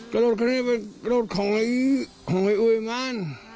ก็รถคันนี้เป็นของอุ้ยมั้น